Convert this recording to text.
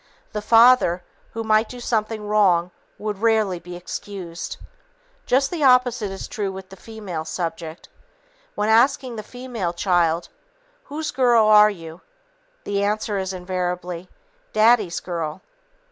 The father who might do something wrong would rarely be excused. Just the opposite is true with the female subject. When asking the female child, "Whose girl are you?", the answer is invariably, "Daddy's girl."